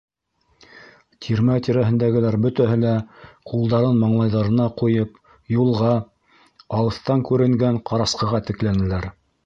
Тирмә тирәһендәгеләр бөтәһе лә, ҡулдарын маңлайҙарына ҡуйып, юлға, алыҫтан күренгән ҡарасҡыға текләнеләр.